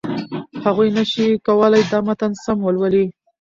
هغوی نشي کولای دا متن سم ولولي.